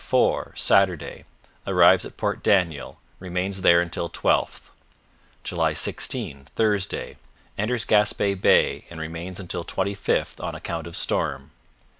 4 Saturday Arrives at Port Daniel; remains there until 12th. July 16 Thursday Enters Gaspe Bay, and remains until 25th on account of storm.